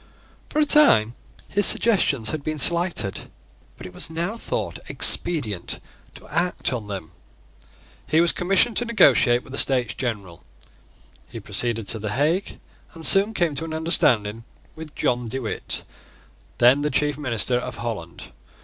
For a time his suggestions had been slighted; but it was now thought expedient to act on them. He was commissioned to negotiate with the States General. He proceeded to the Hague, and soon came to an understanding with John De Witt, then the chief minister of Holland.